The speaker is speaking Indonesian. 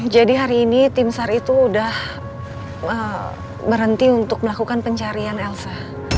jadi hari ini tim sar itu udah berhenti untuk melakukan pencarian elsa